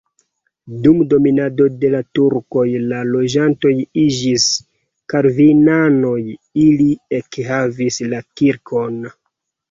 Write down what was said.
Dum dominado de la turkoj la loĝantoj iĝis kalvinanoj, ili ekhavis la kirkon.